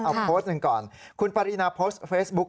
เอาโพสต์หนึ่งก่อนคุณปรินาโพสต์เฟซบุ๊ค